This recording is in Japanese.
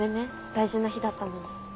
大事な日だったのに。